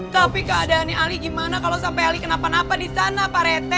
tapi keadaannya ali gimana kalau sampai ali kenapa napa di sana pak rete